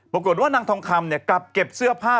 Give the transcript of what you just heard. ปรากฏว่านางทองคำกลับเก็บเสื้อผ้า